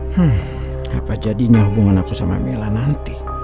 hmm apa jadinya hubungan aku sama mila nanti